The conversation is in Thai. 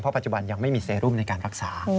ปัจจุบันยังไม่มีเซรุมในการรักษา